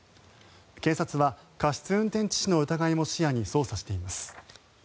警察は過失運転致死の疑いも視野に捜査しています。